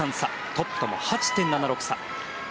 トップとも８．７６差。